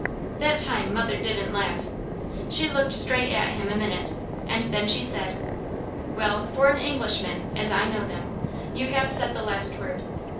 That time mother didn't laugh. She looked straight at him a minute and then she said: "Well, for an Englishman, as I know them, you have said the last word.